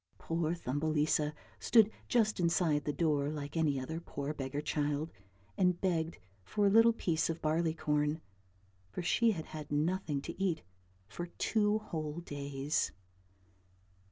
Poor Thumbelisa stood just inside the door like any other poor beggar child and begged for a little piece of barley corn, for she had had nothing to eat for two whole days.